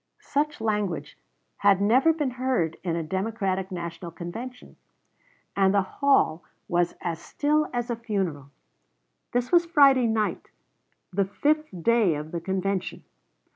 Such language had never been heard in a Democratic National Convention, and the hall was as still as a funeral. This was Friday night, the fifth day of the convention.